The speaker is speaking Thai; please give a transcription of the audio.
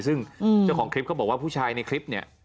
ซึ่งเจ้าของคลิปเขาบอกว่าผู้ชายในคลิปเนี่ย